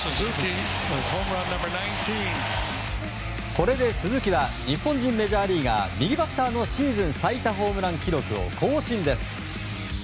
これで鈴木は日本人メジャーリーガー右バッターのシーズン最多ホームラン記録を更新です。